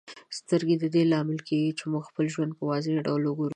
سترګې د دې لامل کیږي چې موږ خپل ژوند په واضح ډول وګورو.